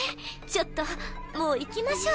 ちょっともう行きましょうよ。